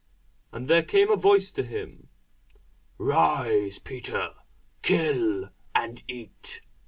And there came a voice to him, Rise, Peter; kill, and eat.